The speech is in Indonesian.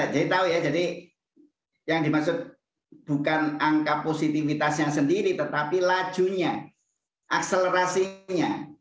jadi tahu ya jadi yang dimaksud bukan angka positifitas yang sendiri tetapi lajunya akselerasinya